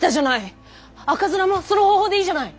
赤面もその方法でいいじゃない！